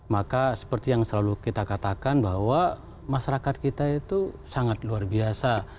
maka seperti yang selalu kita katakan bahwa masyarakat kita itu sangat luar biasa